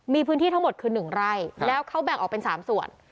มีพื้นที่ทั้งหมดคือ๑ไร่แล้วเขาแบ่งออกเป็น๓ส่วน